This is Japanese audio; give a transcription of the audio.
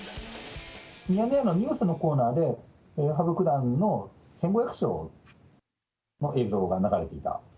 ミヤネ屋のニュースのコーナーで、羽生九段の１５００勝の映像が流れていた。